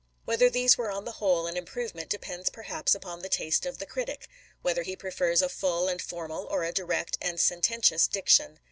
Whether these were on the whole an improve ment depends perhaps upon the taste of the critic, whether he prefers a full and formal or a direct and sententious diction.